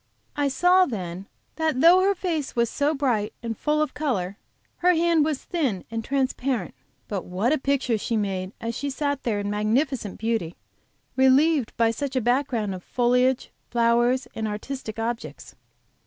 I saw then that though her face was so bright and full of color, her hand was thin and transparent. But what a picture she made as she sat there in magnificent beauty, relieved by such a back ground of foliage, flowers, and artistic objects!